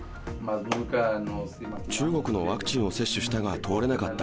中国のワクチンを接種したが、通れなかった。